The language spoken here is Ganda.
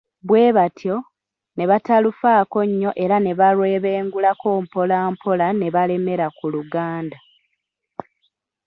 Bwe batyo, ne batalufaako nnyo era ne balwebengulako mpolampola ne balemera ku Luganda.